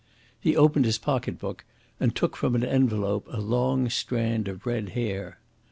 He opened his pocket book, and took from an envelope a long strand of red hair.